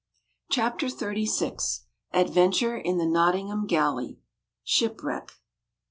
CHAPTER THIRTY SIX. ADVENTURE IN THE "NOTTINGHAM GALLEY" SHIPWRECK.